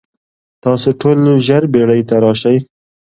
تاسو ټول ژر بیړۍ ته راشئ.